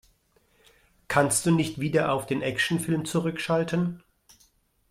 Kannst du nicht wieder auf den Actionfilm zurückschalten?